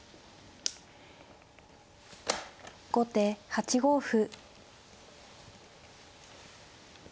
後手８五歩。